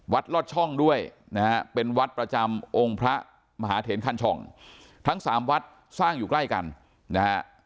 ลอดช่องด้วยนะฮะเป็นวัดประจำองค์พระมหาเถนคันช่องทั้งสามวัดสร้างอยู่ใกล้กันนะฮะ